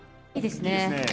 いいですね。